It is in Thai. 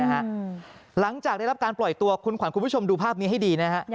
หลังจากได้รับการปล่อยตัวคุณขวัญคุณผู้ชมดูภาพนี้ให้ดีนะฮะ